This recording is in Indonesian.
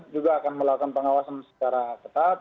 juga akan melakukan pengawasan secara ketat